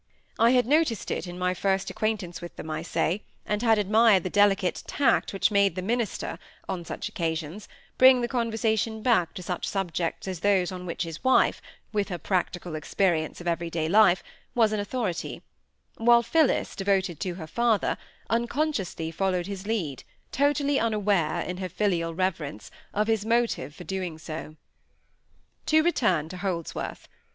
I had noticed it in my first acquaintance with them, I say, and had admired the delicate tact which made the minister, on such occasions, bring the conversation back to such subjects as those on which his wife, with her practical experience of every day life, was an authority; while Phillis, devoted to her father, unconsciously followed his lead, totally unaware, in her filial reverence, of his motive for doing so. To return to Holdsworth.